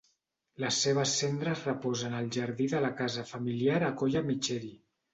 Les seves cendres reposen al jardí de la casa familiar a Colla Micheri.